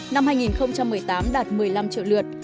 năm hai nghìn một mươi tám đạt một mươi năm triệu lượt